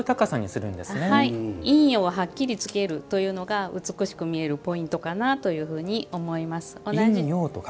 陰陽をはっきりつけるというのが美しく見えるポイントかなと思います。